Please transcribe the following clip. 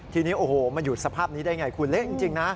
ทีนี้โอ้โหมาอยู่สภาพนี้ได้อย่างไรคุณเละจริงนะ